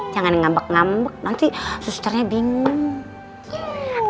jangan ngambek ngambek nanti susternya bingung